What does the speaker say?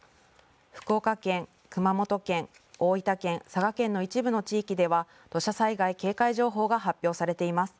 福岡県、熊本県大分県、佐賀県の一部の地域では土砂災害警戒情報が発表されています。